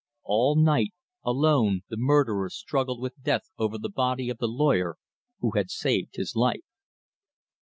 All night, alone, the murderer struggled with death over the body of the lawyer who had saved his life.